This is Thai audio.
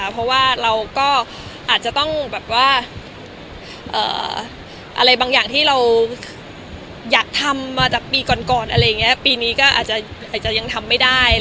เพราะว่าเราก็อาจจะต้องอะไรบางอย่างที่เราอยากทำมาจากปีก่อนปีนี้ก็อาจจะยังทำไม่ได้